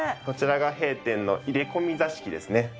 こちらが弊店の入れ込み座敷ですね。